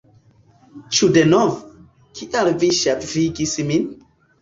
Ĉu denove? Kial vi ŝafigis min?